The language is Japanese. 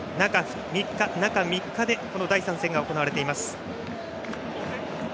中３日で第３戦が行われています。